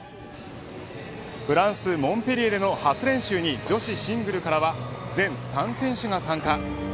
フランスモンペリエでの初練習に女子シングルからは全３選手が参加。